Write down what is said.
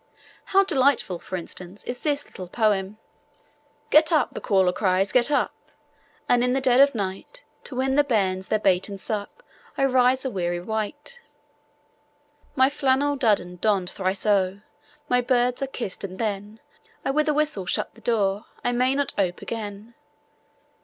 How delightful, for instance, is this little poem: 'Get up!' the caller calls, 'Get up!' And in the dead of night, To win the bairns their bite and sup, I rise a weary wight. My flannel dudden donn'd, thrice o'er My birds are kiss'd, and then I with a whistle shut the door I may not ope again.